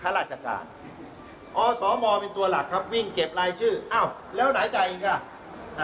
ฮรคอสมเป็นตัวหลักครับวิ่งเก็บลายชื่อแล้วไหนใดอีกฮะ